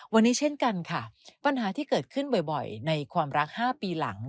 วันนี้เช่นกันค่ะปัญหาที่เกิดขึ้นบ่อยในความรัก๕ปีหลัง